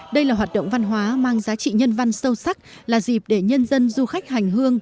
đây là hoạt động văn hóa mang giá trị nhân văn sâu sắc là dịp để nhân dân du khách hành hương